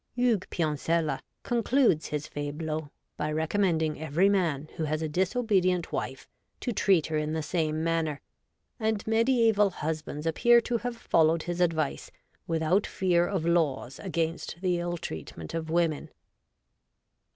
Hugues Piancelles concludes his faiblmt, by recommending every man who has a disobedient wife to treat her in the same manner ; and mediaeval husbands appear to have followed his device without fear of laws against the ill treatment of women.